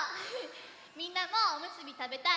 みんなもおむすびたべたい？